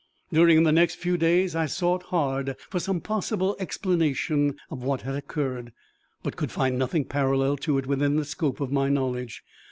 During the next few days I sought hard for some possible explanation of what had occurred, but could find nothing parallel to it within the scope of my knowledge.